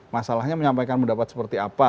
masalahnya menyampaikan pendapat seperti apa